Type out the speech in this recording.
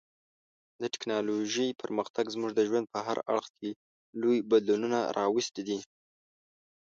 د ټکنالوژۍ پرمختګ زموږ د ژوند په هر اړخ کې لوی بدلونونه راوستي دي.